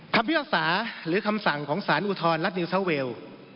คำพิศาสตร์หรือคำสั่งของสารอุทรรัฐนิวเซาท์เวล